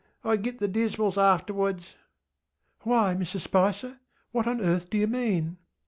I git the dismals afterwards. ŌĆÖ ŌĆśWhy, Mrs Spicer? What on earth do you mean?